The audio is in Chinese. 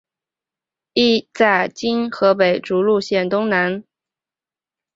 一在今河北省涿鹿县东南。